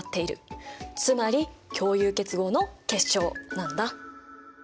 つまり共有結合の結晶なんだ。